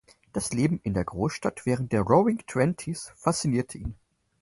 Das Leben in der Großstadt während der Roaring Twenties faszinierte ihn.